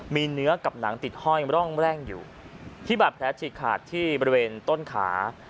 มีเนื้อกับหนังติดห้อยร่องแร่งอยู่ที่บาดแผลฉีกขาดที่บริเวณต้นขา